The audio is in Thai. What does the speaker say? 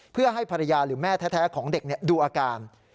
เพื่อให้ภรรยาหรือแม่แท้ของเด็กดูอาการ